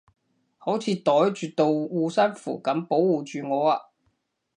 好似袋住道護身符噉保護住我啊